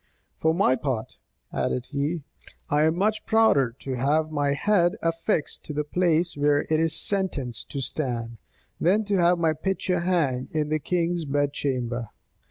"For my part," added he, "I am much prouder to have my head affixed to the place where it is sentenced to stand, than to have my picture hang in the king's bed chamber.